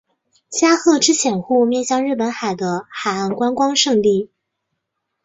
加贺之潜户面向日本海的海岸观光胜地。